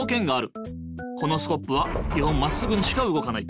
このスコップは基本まっすぐにしかうごかない。